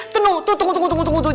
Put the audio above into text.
tunggu tunggu tunggu